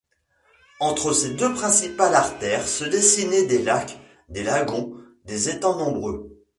Entre ces deux principales artères se dessinaient des lacs, des lagons, des étangs nombreux.